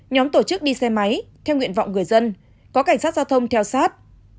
nhóm tổ chức đi xe máy theo nguyện vọng người dân có cảnh sát giao thông theo sát